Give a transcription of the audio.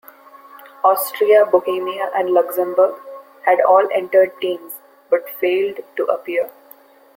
Austria, Bohemia, and Luxembourg had all entered teams, but failed to appear.